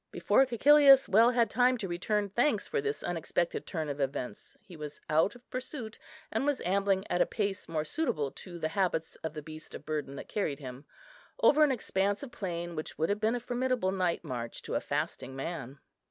Before Cæcilius well had time to return thanks for this unexpected turn of events, he was out of pursuit, and was ambling at a pace more suitable to the habits of the beast of burden that carried him, over an expanse of plain which would have been a formidable night march to a fasting man.